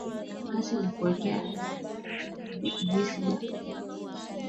Glasi ya kuwekea juisi ya viazi lishe